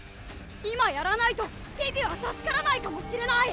今やらないとピピは助からないかもしれない。